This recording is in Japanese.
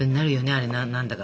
あれ何だか。